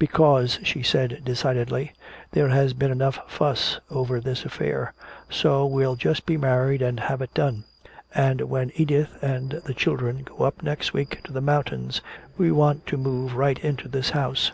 "Because," she said decidedly, "there has been enough fuss over this affair. So we'll just be married and have it done. And when Edith and the children go up next week to the mountains, we want to move right into this house."